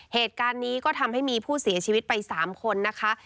เหตุการณ์นี้ก็ทำให้มีผู้เสียชีวิตไป๓คนนะคะ